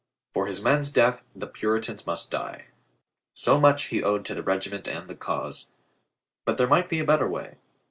For his men's death the Puritans must die. So much he owed to the regiment and the cause. But there might be a better way.